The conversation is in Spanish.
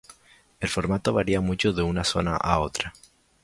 El formato varía mucho de una zona a otra.